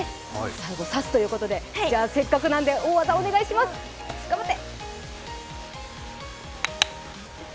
最後刺すということでせっかくなので大技、お願いします、頑張って。